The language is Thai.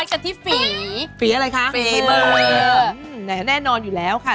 กล้วยกล้วย